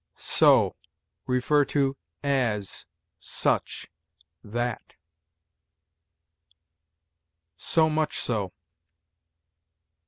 SO. See AS; SUCH; THAT. SO MUCH SO.